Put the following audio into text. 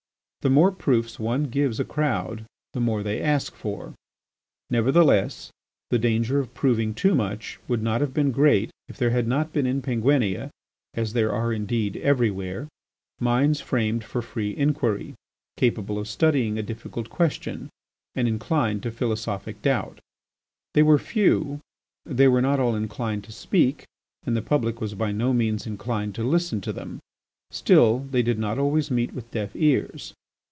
The more proofs one gives a crowd the more they ask for. Nevertheless the danger of proving too much would not have been great if there had not been in Penguinia, as there are, indeed, everywhere, minds framed for free inquiry, capable of studying a difficult question, and inclined to philosophic doubt. They were few; they were not all inclined to speak, and the public was by no means inclined to listen to them. Still, they did not always meet with deaf ears.